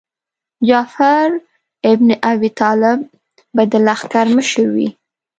جعفر ابن ابي طالب به د لښکر مشر وي.